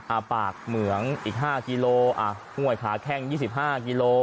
อ่าปากเหมืองอีก๕กิโลอ่าม่วยขาแข้ง๒๕กิโล